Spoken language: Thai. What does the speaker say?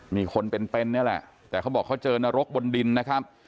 มีคนเป็นเป็นนี่แหละแต่เขาบอกเขาเจอนรกบนดินนะครับ